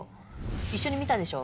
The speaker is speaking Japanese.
一緒に見たでしょ。